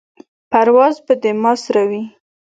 پرواز به دې ما سره وي.